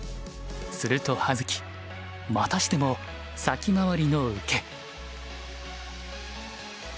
すると葉月またしても先回りの受け。